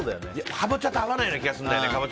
カボチャの甘さと合わないような気がするんだよね。